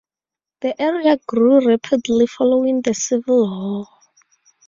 The area grew rapidly following the Civil War.